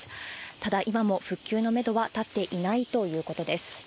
ただ、今も復旧のめどは立っていないということです。